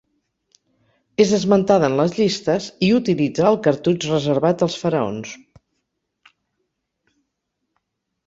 És esmentada en les llistes i utilitza el cartutx reservat als faraons.